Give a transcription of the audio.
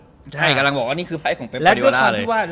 ใช่กำลังบอกว่านี่คือไพ่ของเปฟพอริวาร่าเลย